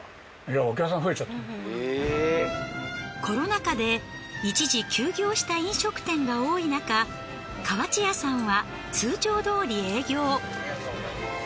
コロナ禍で一時休業した飲食店が多いなか河内屋さんは通常どおり営業。